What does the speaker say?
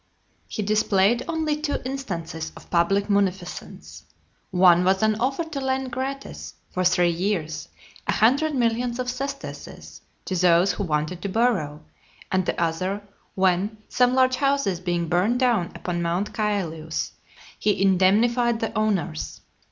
XLVIII. He displayed only two instances of public munificence. One was an offer to lend gratis, for three years, a hundred millions of sesterces to those who wanted to borrow; and the other, when, some large houses being burnt down upon Mount Caelius, he indemnified the owners.